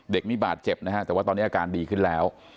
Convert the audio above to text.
เด็กนี่บาดเจ็บนะฮะแต่ว่าตอนนี้อาการดีขึ้นแล้ว